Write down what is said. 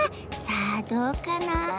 さあどうかな？